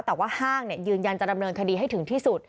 แต่ว่าห้างยืนยันจะดำเนินคดีให้ถึงที่สุด